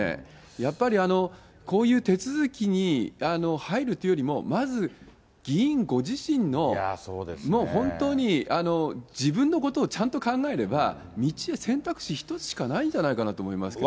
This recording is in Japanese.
やっぱりこういう手続きに入るというよりも、まず、議員ご自身の、本当に自分のことをちゃんと考えれば、選択肢は１つしかないと思いますけどね。